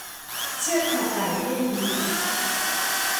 เชือดคอไก่ให้ลิงดู